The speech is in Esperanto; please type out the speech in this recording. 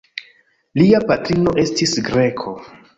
Lia patrino estis greko.